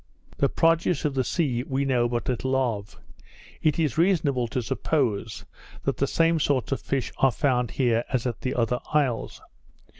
The produce of the sea we know but little of; it is reasonable to suppose, that the same sorts of fish are found here as at the other isles.